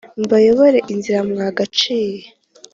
Mbayobore inzira mwagaciye.